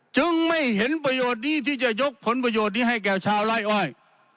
จึงไม่เห็นประโยชน์นี้ที่จะยกผลประโยชน์นี้ให้แก่ชาวไล่อ้อย